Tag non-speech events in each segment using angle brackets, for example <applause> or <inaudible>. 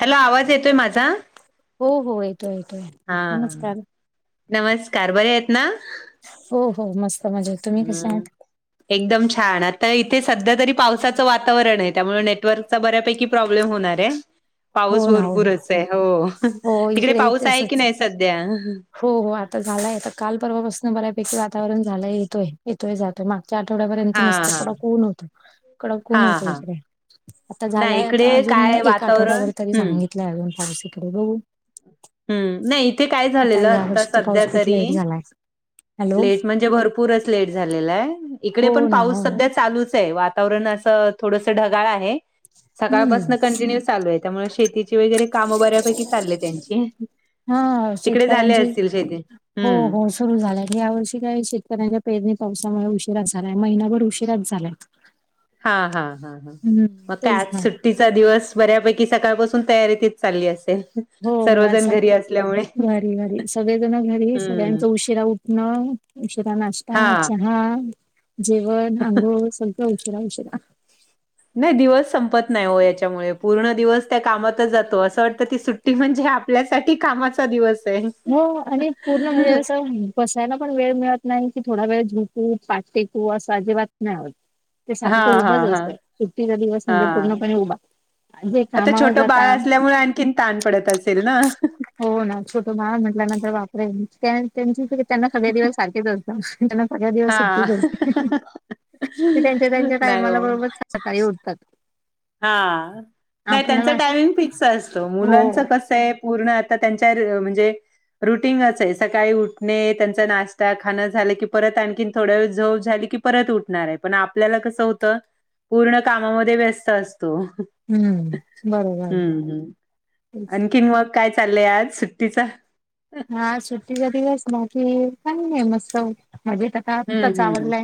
Hello, आवाज येतोय माझा. हो हो, येतोय येतोय. हा, नमस्कार नमस्कार बरे आहेत ना हो हो, मस्त मजेत तुम्ही कसे हम्, आहात एकदम छान. आता इथे संध्या तरी पावसाचं वातावरण आहे. त्यामुळे नेटवर्क चा बऱ्यापैकी प्रॉब्लेम होणार आहे. <inaudible> पाऊस हो ना भरपूरच आहे हो. हो तिकडे इकडे पाऊस आहे की, तसच नाही संध्या. हो हो. आता झालाय आता, काल परवापासनं बऱ्यापैकी वातावरण झालंय येतोय. येतोय जातोय. मागच्या आठवड्यापर्यत हा मस्त हा कडक ऊन होतं. कडक ऊन हा होत हा इकडे. आता नाही झालाय. आता इकडे अजून काय एक वातावरण आठवडाभर तरी हम्म सांगितलंय अजून पावस इकडे बघू. हम्, नाही इथे काय झालेलं, ह्या आता वर्षीचा संध्या पाऊस खूप लेट तरी झालाय हॅलो लेट म्हणजे भर पूरच लेट झालेला आहे. इकडे हो पण ना पाऊस हो ना संध्या चालूच आहे. वात वातावरण असं थोडसं ढगाळ आहे. हम्म सकाळपासनं कंटिन्यू चालू आहे. त्यामुळे शेतीची वगैरे कामं बऱ्यापैकी चालेत यांची. हा, शेतकऱ्यांची शेती हो हम्म हो. सुरू झालंय. या वर्षी काही शेतकऱ्यांच्या पेरणी पावसामुळे उशिरा झालाय. महिनाभर उशिराच झाल्या. <inaudible> हा हा हा ह, मग काय आज ना. सुट्टी. चा दिवस बऱ्यापैकी सकाळपासून तयारीतीत चाल्ली असेल. हो हो सर्वजण असा घरी असल्या घरी घरी सगळे जण घरी हम्म सगळ्यांचा उशिरा उठणं, उशिरा नाश् ता हा. चहा, जेवण, आंघोळ सगळं उशिरा उशिरा नाही दिवस संपत नाही ओ याच्यामुळे पूर्ण दिवस त्या कामातच जातो. असं वाटतं ती सुट्टी ट्टी म्हणजे आपल्यासाठी कामाचा दिवस आहे. हो. आणि पूर्ण हे असं बसायला पण वेळ मिळत नाही की, थोडा वेळ झोपु, पाट टेकू असं अजिबात नाही होत. ते हा सारखं हा उभंच हा असतं. सुट्टीचा दिवस म्हणजे हा. पूर्णपणे उभा. जे आता कामावर छोटं बाळ जाता असल्यामुळे आणखीन ताण पडत असेल ना, हो ना, छोटं बाळ म्हटल्यानंतर बापरे त्या त्यांची तरी त्यांना सगळे दिवस सारखेच असतं. त्यांना सगळे दिवस हा सुट्टीच असते. ते त्यांच्या त्यांच्या नाही हो टायमाला बरोबर सकाळी उठतात. हा, नाही त्यांचा आपल्याला असं टायमिंग फिक्स असतो. हो मुलांचं कसंय पूर्ण आता त्यांच्या र म्हणजे रुटींगच ये सकाळी उठणे. त्यांचा नाश्ता खाण झालं की, परत आणखीन थोड्या वेळ झोप झाली की, परत उठणार आहे. पण आपल्याला कसं होतं. पूर्ण कामामध्ये व्यस्त असतो. हम्म बरोबर हम हम, तेच. आणखीन मग काय चाललंय आज सुट्टीचं हा सुट्टीचा दिवस बाकी चांगलय मस्त मजेत आ हम्म आत्ताच हम्म हम्म. आवरलाय.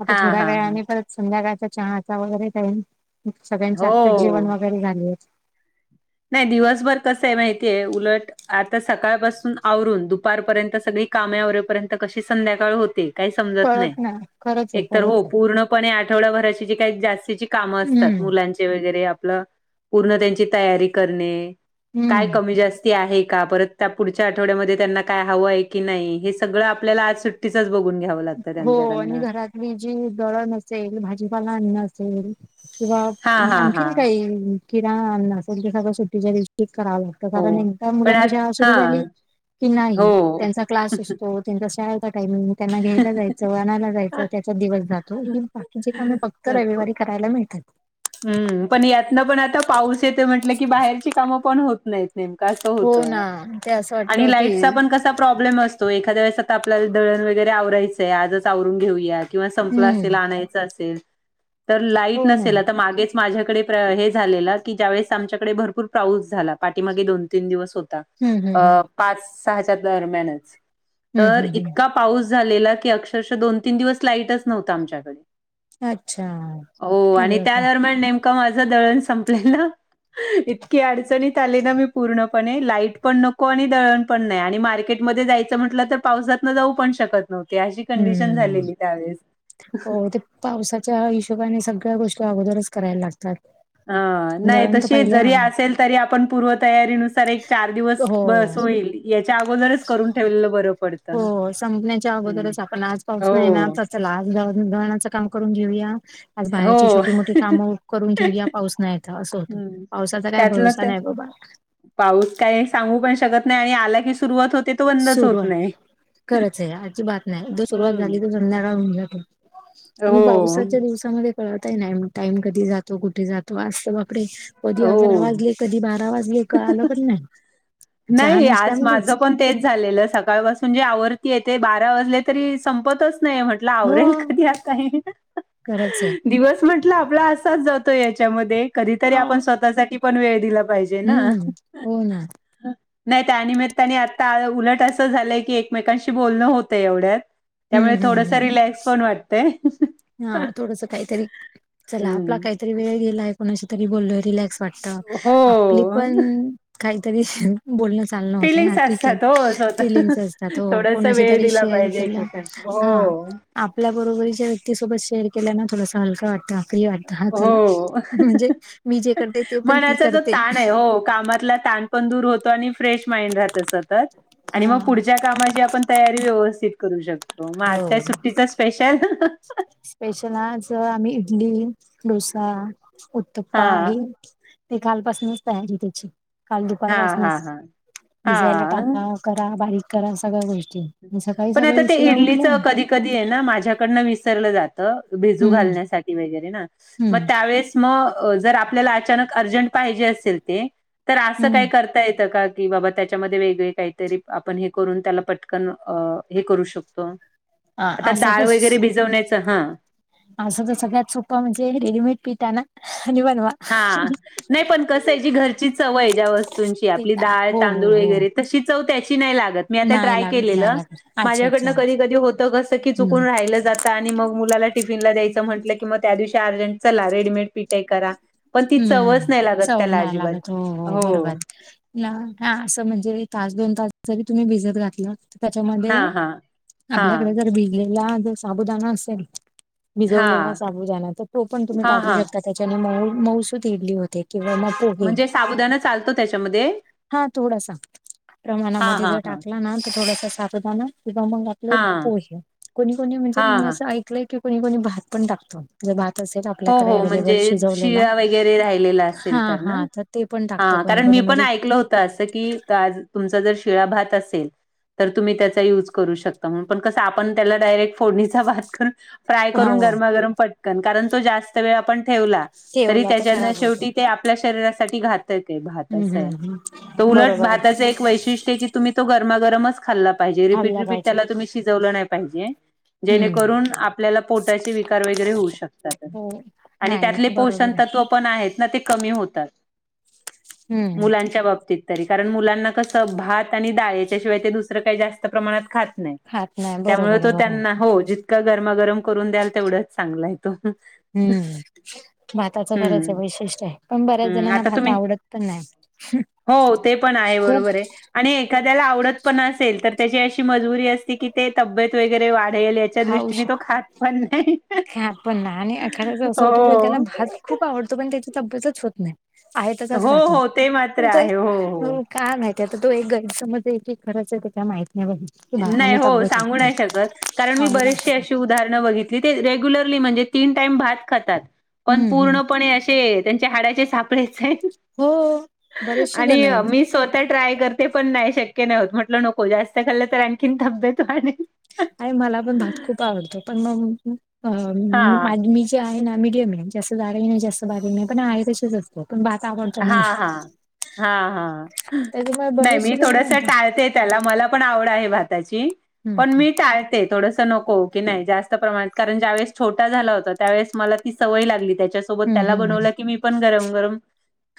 आता हा थोड्या हा हा वेळाने परत संध्याकाळचा चहाचा वगैरे टाईम, सगळ्यांचे आत्ताच हो जेवण वगैरे झालेत. नाई दिवसभर कसं आहे माहितीय? उलट आता सकाळपासून आवरून, दुपारपर्यंत सगळी कामे आवरेपर्यंत, कशी संध्याकाळ होते. काहि समजत नाहि. कळत ना खरंच आहे एक तर खरंच हो, आहे. पूर्णपणे आठवडाभराची जी काही जास्तीची कामं असतात हम्म मुलांची. वगैरे आपलं पुर्ण त्यांची तयारी करणे, काय हम्म. कमी जास्ती आहे का? परत त्यपुढच्या आठवड्यामध्ये त्यांना काय हवंय की नाई, हे सगळं आपल्याला आज सुट सुट्टीचाच बघून घ्यावं लागतं हो आणि त्यांच्याकडनं घरातली जी दळण असेल, भाजीपाला आणन असेल. किंवा हा हा हा आणखीन काहि, किराना आणनं असेन ते सगळं सुट्टीच्या दिवशी करावं लाग त हो कारण एकदा पण आ मुलांची शाळा हा सुरू झाली, की नाही हो त्यांचा क्लास असतो. त्यांचा शाळेचा टायमिंग म त्यांना घे- -यला जायचं आणायला जायचं, त्याच्यात दिवस जातो. ही बाकीची कामे फक्त रविवारी करायला मिळतात मिळतात. हम्म पण यातनं पण आता पाऊस येतोय म्हटलं की, बाहेरची कामं पण होत नाईत. नेमकं असं हो ना होतं ते असं वाटतं आणि की लाईटचा पण कसा प्रॉब्लेम अस- तो एखादया वेळेस आता आपल्याला दळण वगैरे आवरायचंय आजच आवरून घेऊयात किंवा संपलं असेल, हम्म आणायचं असेल तर लाईट हो ना नसेल मागेच माझ्याकडे प्र हे झालेला की ज्यावेेळेस आमच्याकडे भरपूर पाऊस झाला पाठीमागे. दोन तीन दिवस होता. हम्म हम्म हम्म अं पाच सहाच्या दरम्यानच, हम्म तर हम्म हम्म इतका पाऊस झालेला की अक्षरशा दोन तीन दिवस लाईटच नव्हता आमच्याकडे. अच्छा, हो अरे आणि त्या बापरे. नेमकं माझं दळण संपलेलं, इतकी अडचणीत आली ना मी. पूर्णपणे लाईट पण नको आणि दळण पण नाय, आणि मार्केटमध्ये जायचं म्हटलं तर पावसातनं जाऊ पण शकत नव्हती, अशी कंडिशन हम्म झालेली त्यावेळेस. हो ते पावसाच्या हिशोबाने सगळ्या गोष्टी अगोदरच करायला लागतात. अ नाई दळण तर तशी पहिल्या जरी असेल तरी, आपण पूर्वतयारीनुसार एक चार दिवस हो. बस होईल, याच्या अगोदरच करून ठेवलेलं बरं पडतं. संपन्याच्या हम्म अगोदरच आपण आज पाऊस नाईये ना हो तं चला, आज दळणाचं काम करून घेऊया. आज बाहेरची हो. छोटी मोठी कामं उकरून घेऊया, पाऊस नाईये तं असं होतं. हम्म पावसाचा काय त्यातलं भरोसा तर नाय बाबा. पाऊस काय सांगू पण शकत नाय, आणि आला की सुरुवात होते. तो बंदच होत सुरुवात नाही. खरचये अजीबात नाय, जो सुरुवात झाली हम्म तं झा <unintelligible> आणि हो पावसाच्या दिवसामध्ये कळतहि नाई म टाईम कधी जातो, कुठे जातो. आज तं बापरे कधी अकरा हो. वाजले कधी बारा वाजले कळालं पण न्हाई. नाई आज माझं पण तेच झालेलं, सकाळपासून जे आवरतीये, ते बारा वाजले तरी संपतच नाही म्हट लावरेल हो. कधी आता हे हे ना. खरंच आहे. दिवस म्हटलं आपला असाच जातो याच्यामध्ये, कधीतरी अ, आपण स्वतःसाठी पण वेळ दिला पायजे. हम्म, हो ना. नाय त्यानिमित्ताने आता उलट असं झालंय की, एकमेकांशी बोलणं होतंय एवढ्यात. हम्म, त्यामुळे थोडसं रिलॅक्स पण वाटतय. हा थोडसं काहीतरी, चला आपला हम्म काहीतरी वेळ गेलाय, कोणाशी तरी बोललोय रिलॅक्स वाटतं. तं आपली हो पण काहीतरी बोलणं चालण होतं ना फिलिंग्स ठीक आहे. असतात हो स्वतः फिलिंग्स असतात. हो थोडासा कोणाशी वेळ तरी दिला शेअर पाहिजे केला- एकमेकांना. हां. हो. आपल्या बरोबरीच्या व्यक्तीसोबत शेअर केल्या न थोडस हलक वाटतं. फ्री वाटतं हां चला हो. म्हणजे मी जे करते ते पण ती मनाचा जो करते. ताण आहे. हो कामातला ताण- पण दूर होतो आणि फ्रेश माईंड राहत सतत. आणि मग हां, पुढच्या कामाची आपण- तयारी व्यवस्थित करू शकतो. मग आज काय हो. सुट्टीच स्पेशल? स्पेशल आज आम्ही इडली, डोसा. हा. <unintelligible> ते कालपासनच तयारी त्याची. काल हा हा दुपारपासनच हा भिजवायला हा. टाका. करा बारीक करा सगळ्या गोष्टी. मी सकाळी पण सकाळी आता ते उशिरा उठले इडलीच कधी- कधी ए ना माझ्याकडन विसरल जात. भिजू हम्म घालण्यासाठी वगैरे ना? मग हम्म त्यावेळेस- म जर आपल्याला अचानक अर्जंट पाहिजे असेल ते. तर असं काय हम्म करता येतं का? कि बाबा त्याच्यामध्ये वेगळे काहीतरी आपण हे करून त्याला पटकन अ हे करू शकतो? अ आता असं तर डाळ वगैरे भिजवण्याच हा. असं तर सगळ्यात सोपं म्हणजे रेडीमेड पिठ आणा आणि बनवा. हां. नाही पण कसंए, जी घरची चव आहे ज्या वस्तूंची ते आपली तर डाळ हो हो तांदूळ हो वगैरे तशी- चव त्याची नाही लागत. मी आता नाही ट्राय लागत नाही केलेलं. लागत अच्छा अच्छा माझ्याकडनं कधी कधी होत कस की हम्म चुकून राहिलं जात. आणि मग मुलाला टिफिनला द्यायचं म्हटलं की मग त्या दिवशी अर्जंट चला रेडीमेड पीठ आहे करा. पण ती चवच हम्म. नाही लागत चव त्याला नाही अजिबात लागत. हो हो बरोबर. ना हा. असं म्हणजे तास दोन तास जरी तुम्ही भिजत घातलं- त्याच्यामध्ये हा हा आपल्याकडे हा जर भिजलेला जर साबुदाणा असेल- भिजवलेला हा साबुदाणा. तर तो पण तुम्ही हा टाकू हा शकता त्याच्यामुळे मऊ - मऊसूत इडली होते किंवा मग- म्हणजे साबुदाणा चालतो त्याच्यामध्ये? हा. थोडासा. हा प्रमाणामध्ये हा जर हा टाकला ना? तर थोडासा साबुदाणा किंवा मग आपले हा पोहे. कोणी कोणी म्हणजे हा मी हा असं ऐकलंय की कोणी कोणी भात पण टाकत. जर भात असेल हो आपल्याकडे हो म्हणजे अवेलेबल शिजवलेला. शिळा वगैरे राहिलेला असेल हा ना? हा. तर- ते पण टाकता कोणी कोणी म्हणजे- त असं की आज तुमचा जर शिळा भात असेल- तर तुम्ही त्याचा युज करू शकता म्हणून. पण कसं आपण त्याला डायरेक्ट- फोडणीचा भात करून फ्राय करून हो गरमागरम पटकन. कारण तो जास्त वेळ आपण- ठेवला तरी ठेवला तर त्याच्यान खराब होतो शेवटी ते आप- -पल्या शरीरासाठी घातक आहे. भात हम्म असय. हम्म त हम्म उलट बरोबर आहे भाताच एक वैशिष्ट्य ए की- तुम्ही तो गरमागरमच खाल्ला पाहिजे. रिपीट खाल्ला रिपीट पाहिजे त्याला तुम्ही शिजवलं नाही पाहिजे. हम्म जेणेकरून आपल्याला पोटाचे विकार वगैरे होऊ शकतात. हो. आणि नाही त्यातले पोषण बरोबर आहे तत्त्व पण आहेत ना ते कमी होतात. हम्म मुलांच्या बाबतीत. तरी कारण मुलांना कसं भात आणि डाळी च्या शिवाय ते दुसरं काही जास्त प्रमाणात खात- नाहीत. खात नाही बरोबर त्यामुळे आहे तो बरोबर त्यांना हो ज- -तका गरमागरम करून द्याल तेवढंच चांगला आहे तो. हम्म. भाताच खरंच हम्म वैशिष्ट्य हाय, पण बऱ्याच हम्म जणांना आता भात तुम्ही आवडत पण नाही, हम. हो ते पण आहे बरोबर आहे. आणि एखाद्याला आवडत पण असेल तर त्याची अशी मजबुरी असती की ते तब्येत वगैरे वाढेल ह्या च्या खाऊ दृष्टीने श तो खात पण नाही. खा पण ना आणि एखाद्याच असं होतं की त्याला हो. भात खूप आवडतो पण त्याची तब्येतच होत नाही. आहे तसाच हो राहतो, हो ते मात्र पण तई, आहे हो हो अप काय माहिती आता तो एक गाईर समज आहे की खरंच आहे ते काय माहित नाही बघ. की नाही भाताने हो तब्येत सांगू होते नाही शकत, कारण मी सांगू नाही बरेसे शकत अशे उ दाहरण बघितली ते रेग्युलरली म्हणजे तीन टाईम भात खातात. पण हम्म हम्म पूर्णपणे असे त्यांचे हाडाचे सापळेच ये. हो बरेचसे जण आणि आहेत मी स्व आता ट्राय करते पण नाही शक्य नाही होत म्हटलं नको जास्त खाल्लं तर आणखीन तब्येत वाढे आय मला पण भात खूप आवडतो पण मग, अ हा माझी मीच ते आहे ना मिडियम आहे जास्त जाड नाही जास्त बारिक नाही पण आहे तशीच अ हो पण भात आवडतो हा मला. हा हा हा, त्याच्यामुळे नाही बरेचसे मी जण थोडस म्हणतात टाळते. त्याला मला पण आवड आहे भाताची, हम्म पण मी टाळ ते थोडस नको की नाही जास्त प्रणात कारण ज्या वळेस छोटा झाला होता त्यावेळेस मला ती सवय लागली त्याच्याच सोबत हम्म हम्म त्याला हम्म हम्म बनवलन की पण गरम गरम,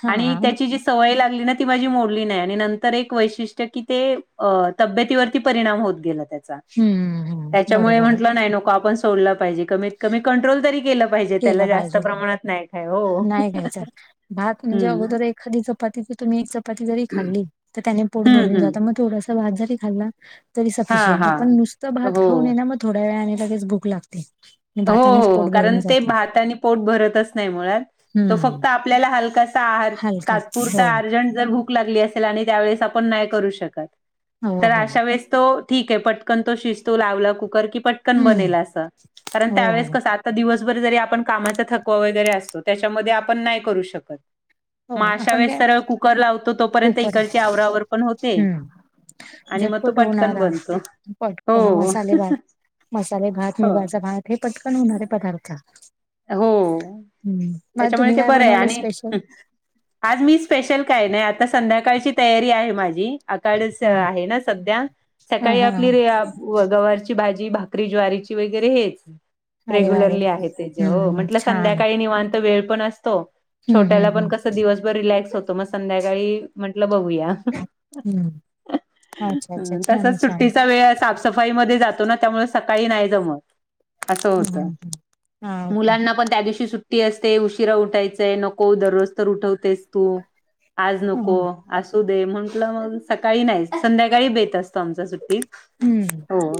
हा आणि त्याची जी सवय लागलीना ती माझी मोडली नाही आणि नंतर एक वैशीष्ट की ते, अ ताब्यती वर ती परिणाम होत गेला त्याचा, हम्म हम्म ह्याच्यामुळे बरोबर आहे म्हटलं नाही नको आपण सोडल पाहिजे कमीत कमी कंट्रोल तरी केल पाहिजे केला त्याला जास्त पाहिजे प्रमाणात नाही काय हो. नाही घ्यायचा भात म्हणजे हम्म अगोदर एखादी चपाती तुम्ही एक चपाती जरी खाल्ली, तर त्याने पोट हम्म भरून हम्म जात. म थोडस भात जरी खाल्ला, तरी हा हा सफिशियंटे पण नुसत भात हो खाऊन ये ना म थोड्या वेळाने लगेच भूक लागते. हो भातानेच हो पोट भरून कारण ते जात भातने पोट भरतच नाही मुळात. तो हम्म फक्त आपल्याला हलकासा आहार, हलकाच हो तात्पुरता आर जन ज भूक लागली असेल आणि त्या वेळेस आपण नाय करू शकत, हो तर हो अशा वेळेस तो ठीक आहे पटकन तो शिजतो लावला कुकर की पटकन हम्म बनेल अस, कारण हो त्यावेळेस हो कस सात दिवसभर जरी आपण कामाचा थकवा वगैरे असतो त्याच्यामध्ये आपण नाही करू शकत. हो म अशा आपण वेळेस काय सरळ कुकर लावतो तोपर्यंत कुकर इकडची आवरावर पण होते. हम्म आणि म तो झटपट पाटकन होणारा बनतो, हो. पटकन मसालेभात मसाले भात, हो मुगाचा भात हे पटकन होणारे पदार्थ. हो हम्म, म त्याच्यामुळे तुम्ही ते काय बरं आहे बनवलं आणि स्पेशल? आज मी स्पेशल काय नाही आता संध्याकाळची तयारी आहे माझी. आकाडच हा आहे ना सध्या, हा सकाळी आपली री हा अप गवारची भाजी, भाकरी ज्वारीची वगैरे हेच, अरे वा रे रेग्युलरली आहे ते. ते हम्म हो हम्म म्हटलं छान संध्याकाळी निवांत वेळ पण असतो, हम्म छोट्याला हम्म पण हम्म कस दिवस भर रिलॅक्स होतो मग संध्याकाळी म्हटलं बघूया. हम्म अच्छा अ अच्छा छान आहे, तसाच छान सुट्टीचा वेळ हाय साफ सफाईमध्ये जातो ना त्यामुळे सकाळी नाही जमत, असं हम्म हम्म होतं. हम्म. हा ओके मुलांना पण त्या दिवशी सुट टी असते उशिरा उठायचाय नको दररोज तर उठवतेस तू, आज हा नको. असू दे म्हंटलं मग सकाळी नाही संध्याकाळी बेत असतो आमच्या सुट्टीत. हम्म हो,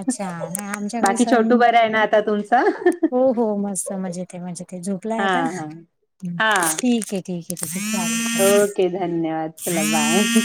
अच्छा नाही आमच्याकडे बाकी सण छोटू बरा आहे ना आता तुमचं? हो हो मस्तं मजे ते म्हणजे ते झोपलांय हा आंता हा हा ठीक आहे ठिक आहे चालते ओके धन्यंवाद चलां बांय